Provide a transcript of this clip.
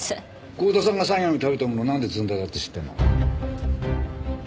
郷田さんが最後に食べたものなんでずんだだって知ってるの？